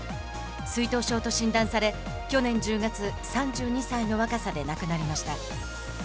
水頭症と診断され、去年１０月３２歳の若さで亡くなりました。